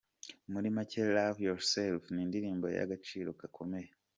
Muri make ’Love Yourself’ ni indirimbo y’agaciro gakomeye.